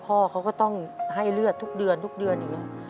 พ่อเขาก็ต้องให้เลือดทุกเดือนทุกเดือนอย่างนี้